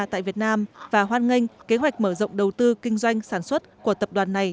tại việt nam và hoan nghênh kế hoạch mở rộng đầu tư kinh doanh sản xuất của tập đoàn này